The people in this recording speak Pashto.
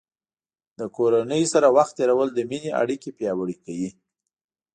د کورنۍ سره وخت تیرول د مینې اړیکې پیاوړې کوي.